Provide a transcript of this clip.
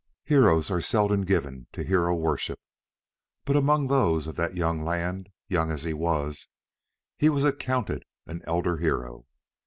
Heroes are seldom given to hero worship, but among those of that young land, young as he was, he was accounted an elder hero.